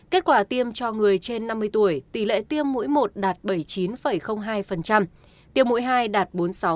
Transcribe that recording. kết quả tiêm cho người trên năm mươi tuổi tỷ lệ tiêm mũi một đạt bảy mươi chín hai tiêm mũi hai đạt bốn mươi sáu